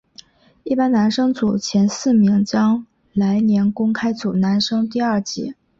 一般男生组前四名将来年公开组男生第二级。